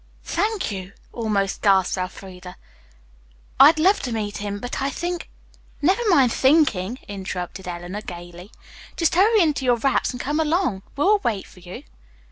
"Thank you," almost gasped Elfreda. "I'd love to meet him, but I think " "Never mind thinking," interrupted Eleanor, gayly. "Just hurry into your wraps and come along. We'll wait for you."